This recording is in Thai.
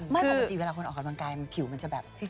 ไม่ปกติเวลาคนออกกำลังกายมันผิวมันจะแบบ